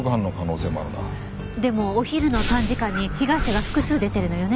でもお昼の短時間に被害者が複数出てるのよね？